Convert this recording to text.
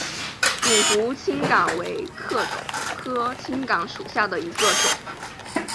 鼎湖青冈为壳斗科青冈属下的一个种。